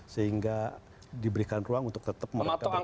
sehingga diberikan ruang untuk tetap mereka bekerja